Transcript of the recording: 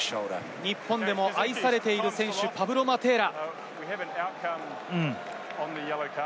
日本でも愛されている選手、パブロ・マテーラ。